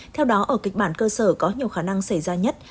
theo đó ở kịch bản cơ sở có nhiều khả năng xảy ra nhất